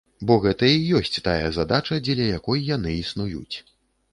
Бо гэта і ёсць тая задача, дзеля якой яны існуюць.